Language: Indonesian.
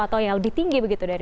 atau yang lebih tinggi begitu dari